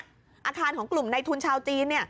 อาคารของกลุ่มในทุนชาวจีน